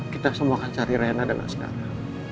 kita semua akan cari reina dan askara